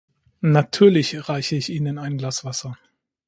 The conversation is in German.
Natürlich reiche ich Ihnen ein Glas Wasser